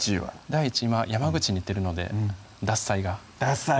第１位今山口に行っているので「獺祭」が「獺祭」